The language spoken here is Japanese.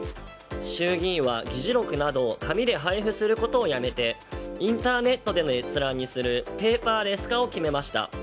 衆議院は議事録などを紙で配布することをやめてインターネットでの閲覧にするペーパーレス化を決めました。